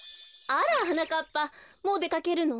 あらはなかっぱもうでかけるの？